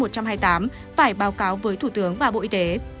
phải báo cáo với thủ tướng và bộ y tế